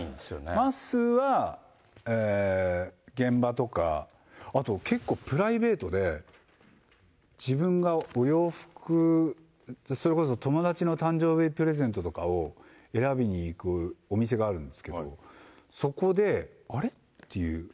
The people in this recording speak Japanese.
まっすーは、現場とか、あと結構、プライベートで、自分がお洋服、それこそ友だちの誕生日プレゼントとかを選びに行くお店があるんですけど、そこで、あれ？っていう。